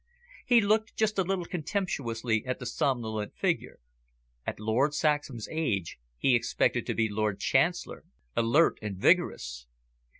He looked just a little contemptuously at the somnolent figure. At Lord Saxham's age, he expected to be Lord Chancellor, alert and vigorous.